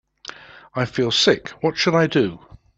I feel sick, what should I do?